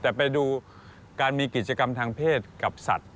แต่ไปดูการมีกิจกรรมทางเพศกับสัตว์